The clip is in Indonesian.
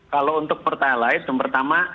kalau untuk pertalite yang pertama